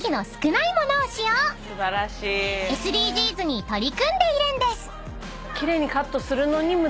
［ＳＤＧｓに取り組んでいるんです］